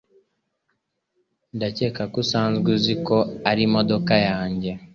Ndakeka ko usanzwe uzi ko arimodoka yanjye.